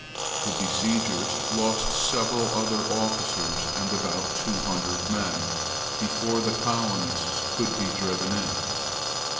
The besiegers lost several other officers, and about two hundred men, before the colonists could be driven in.